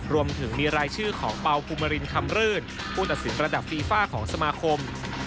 รวมถึงมีรายชื่อของเปล่าภูมิรินคำรื่นผู้ตัดสินระดับฟีฟ่าของสมาคม